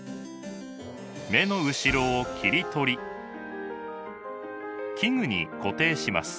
目の後ろを切り取り器具に固定します。